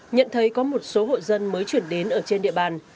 nhận thấy có một số hộ dân mới chuyển đến ở trên địa bàn